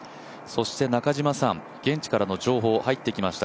中嶋さん、現地からの情報が入ってきました。